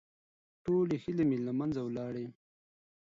ټولې هيلې مې له منځه ولاړې.